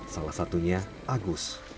salah satunya agus